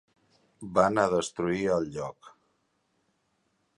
Van a destruir el lloc.